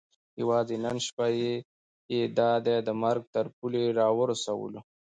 یوازې نن شپه یې دا دی د مرګ تر پولې را ورسولو.